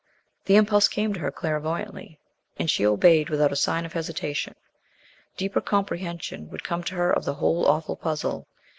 The impulse came to her clairvoyantly, and she obeyed without a sign of hesitation. Deeper comprehension would come to her of the whole awful puzzle.